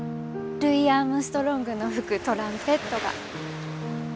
ルイ・アームストロングの吹くトランペットが。